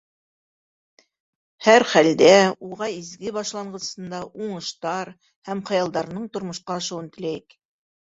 Һәр хәлдә, уға изге башланғысында уңыштар һәм хыялдарының тормошҡа ашыуын теләйек.